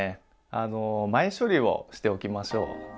あの前処理をしておきましょう。